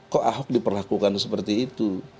kok ahok diperlakukan seperti itu